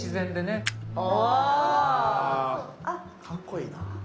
かっこいいな。